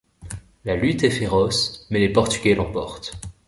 La lutte est féroce, mais les Portugais l'emportent.